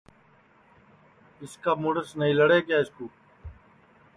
اِس کا مُڑس نائی لڑے کیا اِس کُو